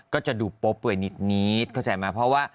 ก็จะดูโป๊บไว้นิดเข้าใส่มาเพราะว่า